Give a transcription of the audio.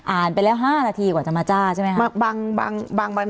ไปแล้ว๕นาทีกว่าจะมาจ้าใช่ไหมครับ